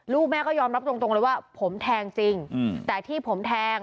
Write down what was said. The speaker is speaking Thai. ลูกแม่ก็ยอมรับจริงเลยว่าผมแทงจริง